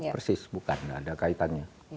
persis bukan tidak ada kaitannya